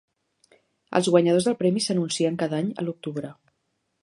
Els guanyadors del premi s'anuncien cada any a l'octubre.